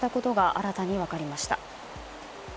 新たに分かりました。